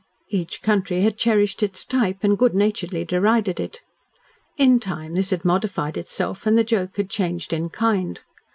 Each country had cherished its type and good naturedly derided it. In time this had modified itself and the joke had changed in kind.